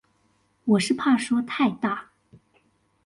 我是怕說太大